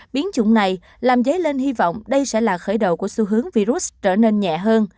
biến chủng này làm dấy lên hy vọng đây sẽ là khởi đầu của xu hướng virus trở nên nhẹ hơn